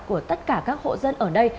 của tất cả các hộ dân ở đây